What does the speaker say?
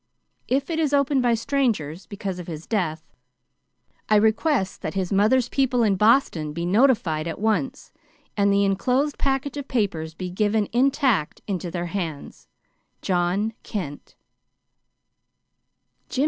If it is opened by strangers, because of his death, I request that his mother's people in Boston be notified at once, and the inclosed package of papers be given, intact, into their hands. "JOHN KENT."